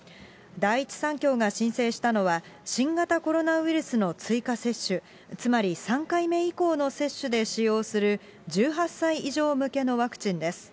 第一三共が申請したのは、新型コロナウイルスの追加接種、つまり３回目以降の接種で使用する１８歳以上向けのワクチンです。